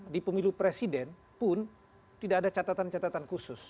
di pemilu presiden pun tidak ada catatan catatan khusus